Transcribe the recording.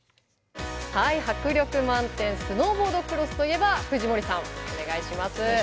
迫力満点スノーボードクロスといえば藤森さんお願いします。